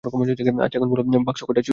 আচ্ছা এখন এটা বলো, বাক্স কয়টা চুরি হইছে?